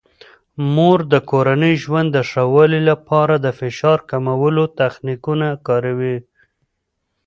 مور د کورني ژوند د ښه والي لپاره د فشار کمولو تخنیکونه کاروي.